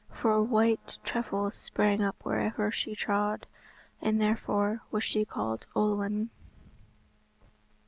Four white trefoils sprang up wherever she trod, and therefore was she called Olwen.